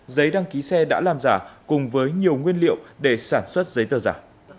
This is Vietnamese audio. giấy đăng ký xe đã làm giả cùng với nhiều nguyên liệu để sản xuất giấy tờ giả